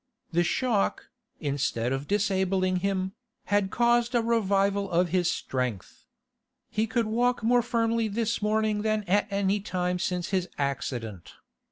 The shock, instead of disabling him, had caused a revival of his strength. He could walk more firmly this morning than at any time since his accident.